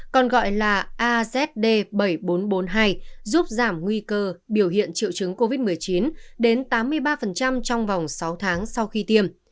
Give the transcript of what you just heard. còn gọi là azd bảy nghìn bốn trăm bốn mươi hai giúp giảm nguy cơ biểu hiện triệu chứng covid một mươi chín đến tám mươi ba trong vòng sáu tháng sau khi tiêm